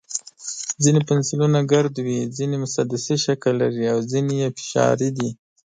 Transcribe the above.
ځینې پنسلونه ګرد وي، ځینې مسدسي شکل لري، او ځینې یې فشاري دي.